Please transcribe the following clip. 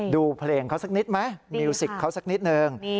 ดูเพลงเขาสักนิดไหมมิวสิกเขาสักนิดนึง